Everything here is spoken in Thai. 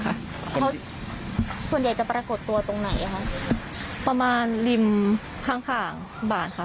เขาส่วนใหญ่จะปรากฏตัวตรงไหนคะประมาณริมข้างข้างบาทค่ะ